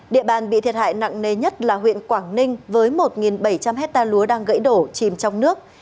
địa bàn bị thiệt hại nặng nề nhất là huyện quảng ninh với một bảy trăm linh hectare lúa đang gãy đổ chìm trong nước